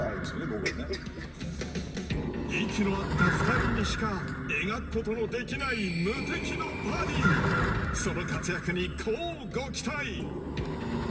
僕がね息の合った２人にしか描くことのできない無敵のバディその活躍に乞うご期待！